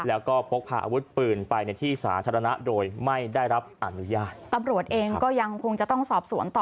แล้วก็พกพาอาวุธปืนไปในที่สาธารณะโดยไม่ได้รับอนุญาตตำรวจเองก็ยังคงจะต้องสอบสวนต่อ